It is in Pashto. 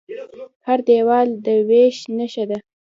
هر دیوال د وېش نښه ده.